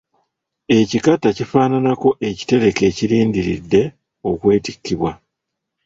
Ekikata kifaananako ekitereke ekirindiridde okwetikkibwa.